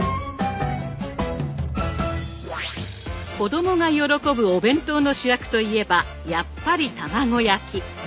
子供が喜ぶお弁当の主役といえばやっぱり卵焼き。